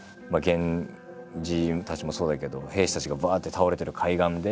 源氏たちもそうだけど平氏たちがばって倒れてる海岸で